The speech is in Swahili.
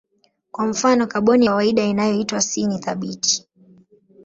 Kwa mfano kaboni ya kawaida inayoitwa C ni thabiti.